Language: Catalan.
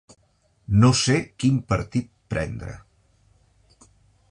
No sé quin partit prendre.